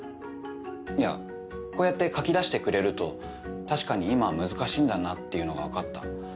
いやこうやって書きだしてくれると確かに今は難しいんだなっていうのが分かった。